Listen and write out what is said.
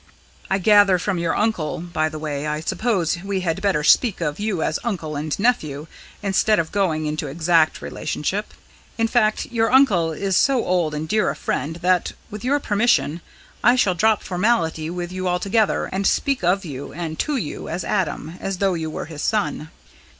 "I gather from your uncle by the way, I suppose we had better speak of you as uncle and nephew, instead of going into exact relationship? In fact, your uncle is so old and dear a friend, that, with your permission, I shall drop formality with you altogether and speak of you and to you as Adam, as though you were his son."